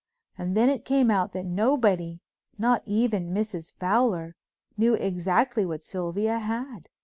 And then it came out that nobody—not even Mrs. Fowler—knew exactly what Sylvia had.